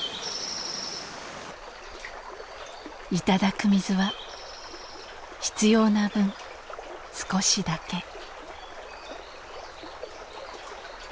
頂く水は必要な分少しだけ。